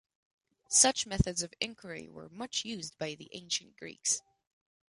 Such methods of enquiry were much used by the ancient Greeks.